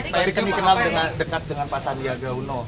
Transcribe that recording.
pak erick ini kenal dengan dekat dengan pak sandiaga uno